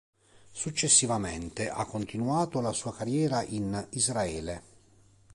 Successivamente ha continuato la sua carriera in Israele.